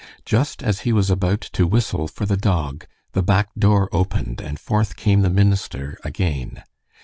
Just as he was about to whistle for the dog, the back door opened and forth came the minister again.